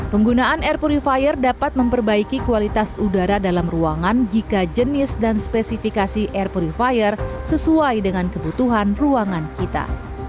penggunaan air purifier dapat memperbaiki kualitas udara dalam ruangan jika jenis dan spesifikasi air purifier sesuai dengan kebutuhan ruangan kita